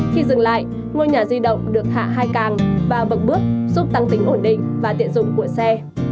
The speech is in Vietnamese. khi dừng lại ngôi nhà di động được hạ hai càng và bậc bước giúp tăng tính ổn định và tiện dụng của xe